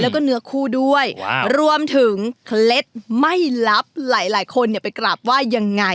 แล้วก็เนื้อคู่ด้วยรวมถึงเคล็ดไม่ลับหลายคนเนี่ยไปกราบไหว้ยังไง